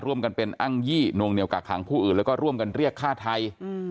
ร่วมกันเป็นอ้างยี่นวงเหนียวกักขังผู้อื่นแล้วก็ร่วมกันเรียกฆ่าไทย